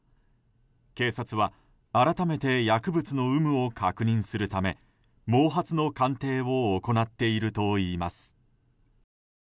警察は改めて薬物の有無を確認するため毛髪の鑑定を行っているといいます。